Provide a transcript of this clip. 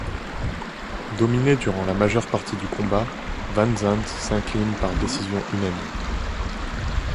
Dominée durant la majeure partie du combat, VanZant s'incline par décision unanime.